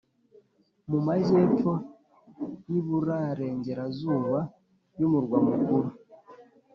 mu majyepfo y'iburarengerazuba y'umurwa mukuru.